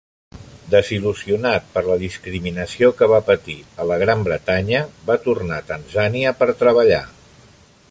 Desil·lusionat per la discriminació que va patir a la Gran Bretanya, va tornar a Tanzània per treballar.